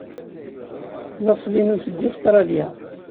Laṣel-inu seg Ustṛalya.